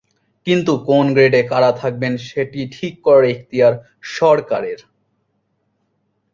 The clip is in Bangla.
কিন্তু কোন গ্রেডে কারা থাকবেন, সেটি ঠিক করার এখতিয়ার সরকারের।